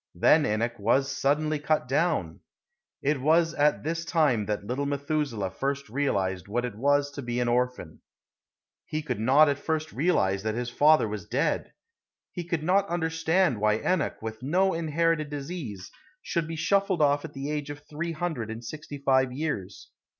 Then Enoch was suddenly cut down. It was at this time that little Methuselah first realized what it was to be an orphan. He could not at first realize that his father was dead. He could not understand why Enoch, with no inherited disease, should be shuffled off at the age of three hundred and sixty five years.